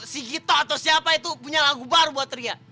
si gito atau siapa itu punya lagu baru buat ria